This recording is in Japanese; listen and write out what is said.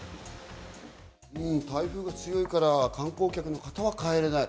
台風が強いから観光客の方は帰れない。